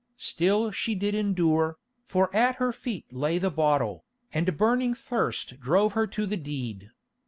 Still she did endure, for at her feet lay the bottle, and burning thirst drove her to the deed.